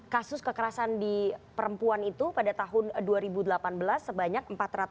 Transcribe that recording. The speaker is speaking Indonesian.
kasus kekerasan di perempuan itu pada tahun dua ribu delapan belas sebanyak empat ratus enam puluh